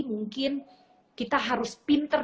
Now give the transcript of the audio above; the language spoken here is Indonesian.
mungkin kita harus pinter